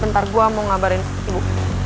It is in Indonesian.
bentar gua mau ngabarin ibu